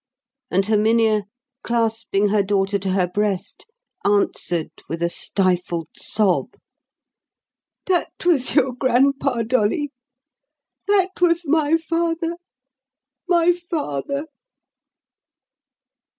And Herminia, clasping her daughter to her breast, answered with a stifled sob, "That was your grandpa, Dolly; that was my father, my father."